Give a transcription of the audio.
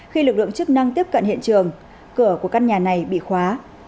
khi lực lượng chức năng tiếp cận hiện trường cửa của căn nhà này bị khóa